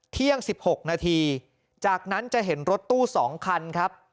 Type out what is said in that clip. เที่ยง๑๖นาทีจากนั้นจะเห็นรถตู้๒คันครับ